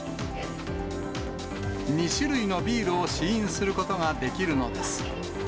２種類のビールを試飲することができるのです。